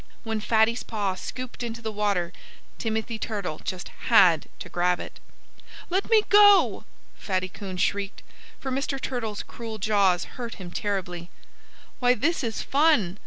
When Fatty's paw scooped into the water Timothy Turtle just had to grab it. "Let me go!" Fatty Coon shrieked, for Mr. Turtle's cruel jaws hurt him terribly. "Why, this is fun!"